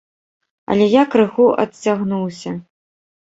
Але я крыху адцягнуўся.